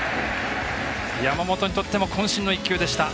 山本にとってもこん身の１球でした。